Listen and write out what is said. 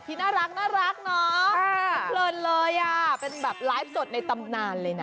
จะต้องยกมือว่ายเป็นการทักทาย